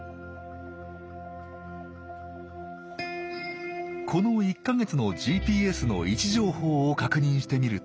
この１か月のＧＰＳの位置情報を確認してみると。